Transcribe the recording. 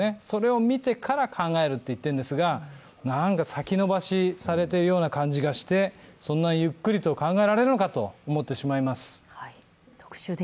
それを見てから考えると言っているんですが、先延ばしされているような感じがしてそんなゆっくりと考えられるのかと思ってしまいます。